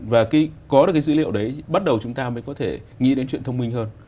và có được cái dữ liệu đấy bắt đầu chúng ta mới có thể nghĩ đến chuyện thông minh hơn